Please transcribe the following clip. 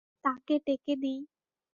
তাকে ডেকে দিই।